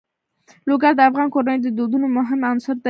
لوگر د افغان کورنیو د دودونو مهم عنصر دی.